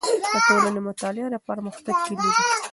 د ټولنې مطالعه د پرمختګ کیلي ده.